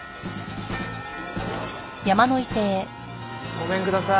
ごめんください。